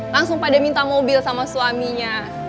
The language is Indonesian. langsung pada minta mobil sama suaminya